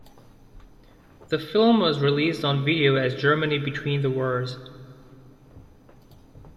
The film was released on video as Germany Between The Wars.